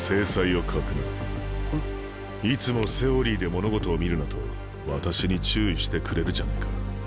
いつもセオリーで物事を見るなと私に注意してくれるじゃないか。